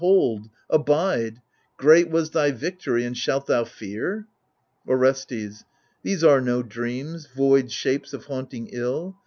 Hold, abide ; Great was thy victory, and shalt thou fear ? Orestes These are no dreams, void shapes of haunting ill.